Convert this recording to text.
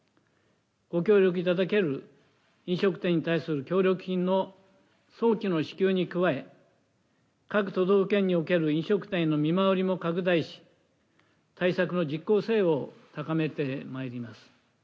ご協力いただける飲食店に対する協力金の早期の支給に加え、各都道府県における飲食店への見回りも拡大し、対策の実効性を高めてまいります。